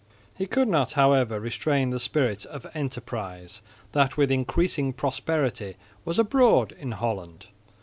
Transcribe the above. He could not, however, restrain the spirit of enterprise that with increasing prosperity was abroad in Holland.